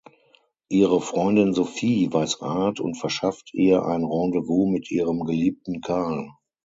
Ihre Freundin Sophie weiß Rat und verschafft ihr ein Rendezvous mit ihrem Geliebten Karl.